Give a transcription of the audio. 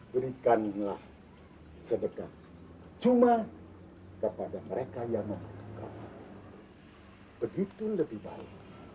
berikanlah sedekah cuma kepada mereka yang membutuhkan begitu lebih baik